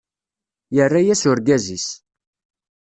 Yerra-as urgaz-is.